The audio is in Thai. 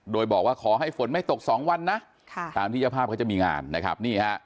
โดยบอกว่าขอให้ฝนไม่ตกสองวันนะตามที่เจ้าภาพเขาจะมีงานนะครับนี่ฮะ